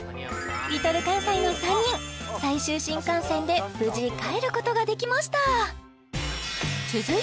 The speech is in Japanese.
Ｌｉｌかんさいの３人最終新幹線で無事帰ることができました